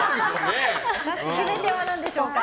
決め手は何でしょうか？